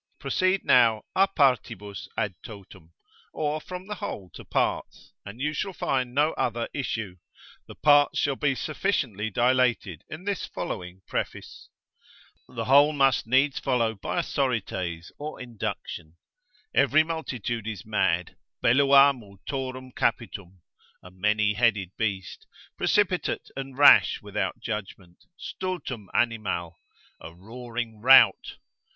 Proceed now a partibus ad totum, or from the whole to parts, and you shall find no other issue, the parts shall be sufficiently dilated in this following Preface. The whole must needs follow by a sorites or induction. Every multitude is mad, bellua multorum capitum, (a many headed beast), precipitate and rash without judgment, stultum animal, a roaring rout.